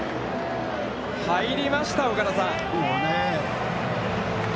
入りました、岡田さん。